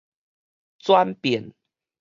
轉變